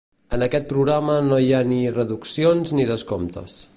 En aquest programa no hi ha ni reduccions ni descomptes.